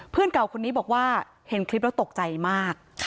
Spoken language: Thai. เพื่อนเก่าคนนี้บอกว่าเห็นคลิปแล้วตกใจมาก